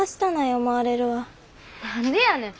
何でやねん！